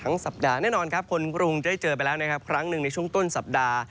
สัปดาห์แน่นอนครับคนกรุงได้เจอไปแล้วนะครับครั้งหนึ่งในช่วงต้นสัปดาห์